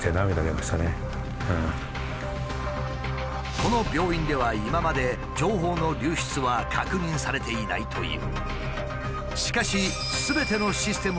この病院では今まで情報の流出は確認されていないという。